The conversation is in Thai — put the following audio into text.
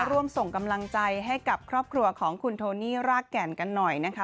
ร่วมส่งกำลังใจให้กับครอบครัวของคุณโทนี่รากแก่นกันหน่อยนะคะ